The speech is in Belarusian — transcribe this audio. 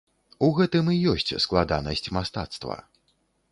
У гэтым і ёсць складанасць мастацтва.